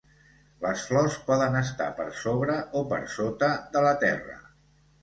Les flors poden estar per sobre o per sota de la terra.